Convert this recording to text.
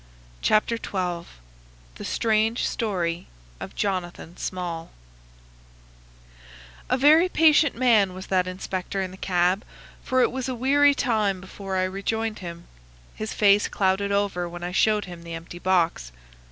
Chapter XII The Strange Story of Jonathan Small A very patient man was that inspector in the cab, for it was a weary time before I rejoined him. His face clouded over when I showed him the empty box.